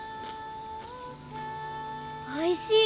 おいしい。